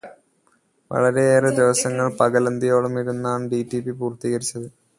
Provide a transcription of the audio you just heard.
വളരെയേറെ ദിവസങ്ങൾ പകലന്തിയോളം ഇരുന്നാണ് ഡിറ്റിപി പൂർത്തീകരിച്ചത്.